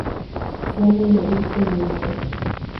Su álbum debut fue Mr.